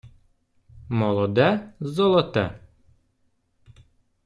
Молоде — золоте.